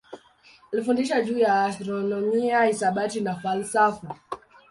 Alifundisha juu ya astronomia, hisabati na falsafa.